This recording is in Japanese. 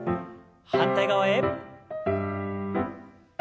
反対側へ。